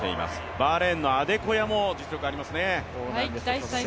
バーレーンのアデコヤも実力ありますね。